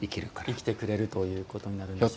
生きてくれるということになるんでしょうね。